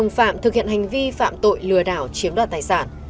phạm thực hiện hành vi phạm tội lừa đảo chiếm đoạt tài sản